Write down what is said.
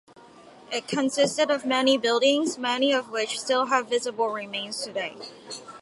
It consisted of many buildings many of which still have visible remains today.